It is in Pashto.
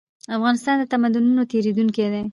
افغانستان د تمدنونو تېرېدونکی و.